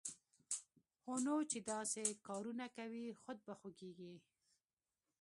هونو چې داسې کارونه کوی، خود به خوږېږې